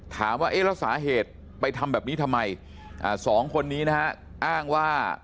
ถามว่าแล้วสาเหตุไปทำแบบนี้ทำไม๒คนนี้อ้างว่า